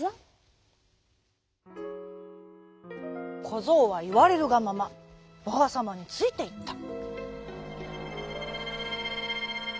こぞうはいわれるがままばあさまについていった。